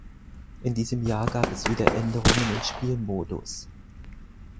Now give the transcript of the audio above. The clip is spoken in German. In diesem Jahr gab es wieder Änderungen im Spielmodus.